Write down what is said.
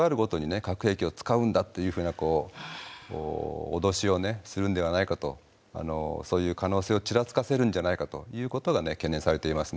核兵器を使うんだっていうふうな脅しをねするんではないかとそういう可能性をちらつかせるんじゃないかということがね懸念されていますね。